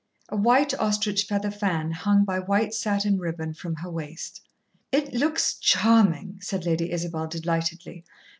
A white ostrich feather fan hung by white satin ribbon from her waist. "It looks charming," said Lady Isabel delightedly.